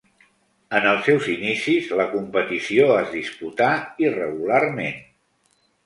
En els seus inicis la competició es disputà irregularment.